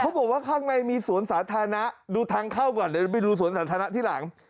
บอกว่าข้างในมีสวนสาธารณะดูทางเข้าก่อนเดี๋ยวไปดูสวนสาธารณะที่หลัง